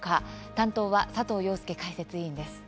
担当は佐藤庸介解説委員です。